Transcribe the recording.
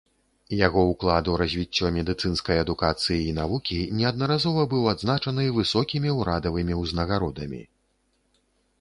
Яго ўклад у развіццё медыцынскай адукацыі і навукі неаднаразова быў адзначаны высокімі ўрадавымі ўзнагародамі.